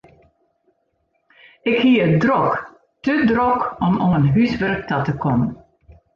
Ik hie it drok, te drok om oan húswurk ta te kommen.